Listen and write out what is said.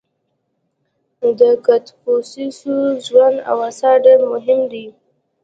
• د کنفوسیوس ژوند او آثار ډېر مهم دي.